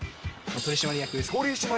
取締役。